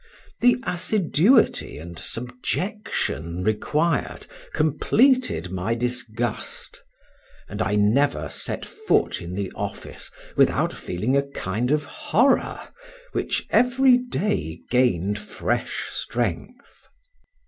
The assiduity and subjection required, completed my disgust, and I never set foot in the office without feeling a kind of horror, which every day gained fresh strength.